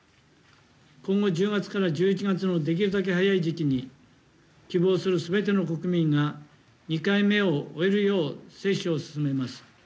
今後１０月から１１月のできるだけ早い時期に、希望するすべての国民が２回目を終えるよう接種を進めます。